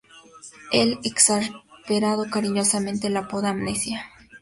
Él, exasperado cariñosamente la apoda "Amnesia".